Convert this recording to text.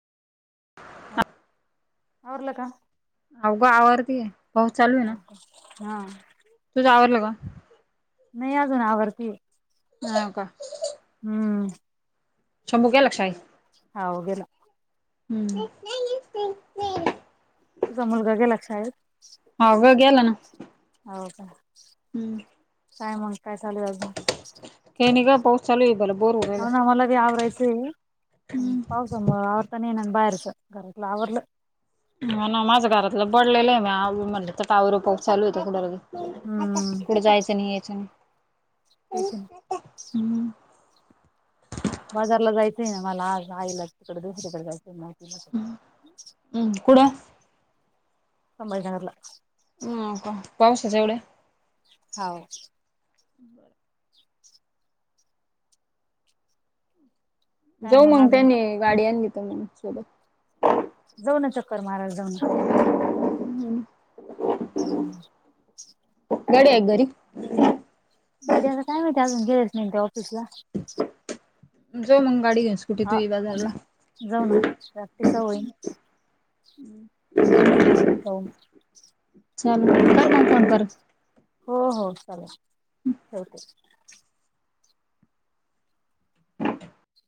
[inaudible] हा आरल का. अवघं आवारतीय पाऊ चालू आहे ना. हो हा. तूझ आवरलं का. नाही अजून आववरती. हो का. हम्म. शंभू कय लक्षा आहे. ह गेला. नाही. तुझा मुलगा घ्या लक्ष आहेत. हो ग ग्याला ना. हो का. हम्म. काय मग काय चालूल अजून. केणी ग पौस्ल इव्ल. हो नामलादी या रैस. पावसवर त ये नंग बायरस घरकलाववरल. ना माझं घरातलं बडलेलं आहे मी म्हण तरवर पाऊ चालू होत कुठला. हम्म. जायचं नाही यायं. तेच्या आहे. हम्म. बाजारला जायचंय ना मला आज आईला तिकडे दुसरीकडे जायचंय माहितीला. हम्म कुड. संमईनगरला. ह का पाऊस जवढे. हो. [unintelligible] काय जाऊ मग अजून? त्यानी गाडी आण घ तर मग सोबत. जाऊ ना चक्कर मारा जाऊ. ना. हम्म. गडी्या गरी. गाडी असं काय माती अजून गेलेच न त्या ऑफिस ला. तमच मंग गाडी घस. हा जाऊ ना प्रॅक्टिस होईल. हम्म. बऊन चल कर ना फोन कर हो हो चालेल ओके [inaudible]